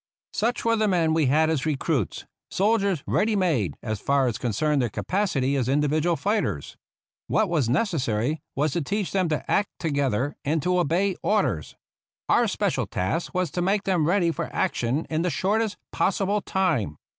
Such were the men we had as recruits : soldiers ready made, as far as concerned their capacity as individual fighters. What was necessary was to teach them to act together, and to obey orders. Our special task was to make them ready for action in the shortest possible time.